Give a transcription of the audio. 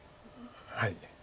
はい。